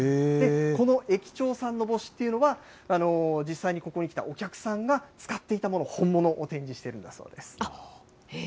この駅長さんの帽子っていうのは、実際にここへ来たお客さんが使っていたもの、本物を展示しているんだそうです。